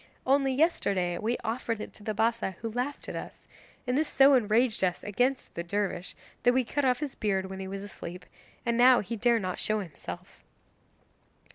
Only yesterday we offered it to the Bassa, who laughed at us, and this so enraged us against the dervish that we cut off his beard when he was asleep, and now he dare not show himself.